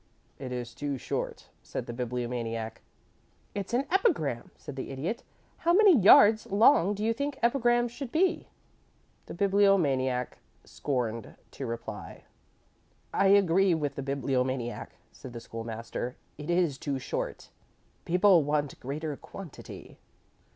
"It is too short," said the Bibliomaniac. "It's an epigram," said the Idiot. "How many yards long do you think epigrams should be?" The Bibliomaniac scorned to reply. "I agree with the Bibliomaniac," said the School master. "It is too short. People want greater quantity."